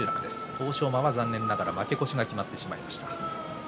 欧勝馬は負け越しが決まってしまいました。